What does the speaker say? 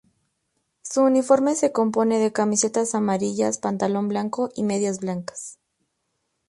Su uniforme se compone de camisetas amarillas, pantalón blanco y medias blancas.